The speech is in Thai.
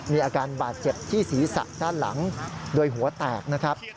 มีอาการบาดเจ็บที่ศีรษะด้านหลังโดยหัวแตกนะครับ